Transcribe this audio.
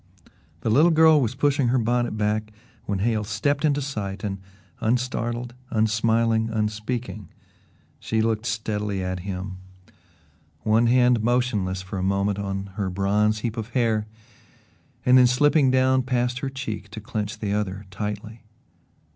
The little girl was pushing her bonnet back when Hale stepped into sight and, unstartled, unsmiling, unspeaking, she looked steadily at him one hand motionless for a moment on her bronze heap of hair and then slipping down past her cheek to clench the other tightly.